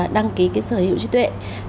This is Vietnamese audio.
đăng ký sở hữu trí tuệ